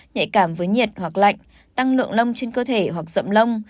nhạy cảm với nhiệt hoặc lạnh tăng lượng lông trên cơ thể hoặc dậm lông